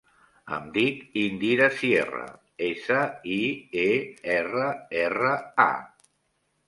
Em dic Indira Sierra: essa, i, e, erra, erra, a.